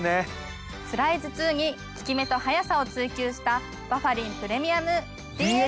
つらい頭痛に効き目と速さを追求したバファリンプレミアム。